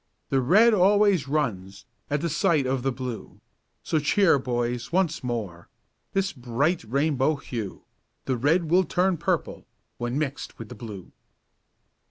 The red always runs At the sight of the blue. So cheer boys, once more, This bright rainbow hue, The Red will turn purple When mixed with the blue!"